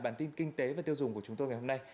bản tin kinh tế và tiêu dùng của chúng tôi ngày hôm nay